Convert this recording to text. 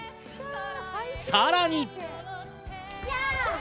さらに。